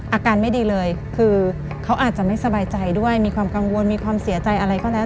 อาการไม่ดีเลยคือเขาอาจจะไม่สบายใจด้วยมีความกังวลมีความเสียใจอะไรก็แล้ว